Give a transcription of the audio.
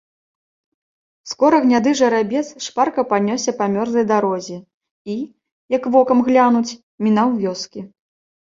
Скора гняды жарабец шпарка панёсся па мёрзлай дарозе і, як вокам глянуць, мінаў вёскі.